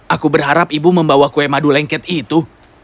aku berharap ibu membawa kue madu lengket itu